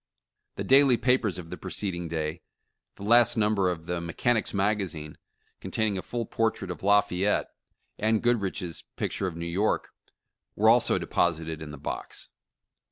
The daily papers of the preceding day — the last number of the "Mechanics' Magazine," containing a fuU portrait of Lafayette — and Goodrich's pic ture of New York — were also deposited in the box."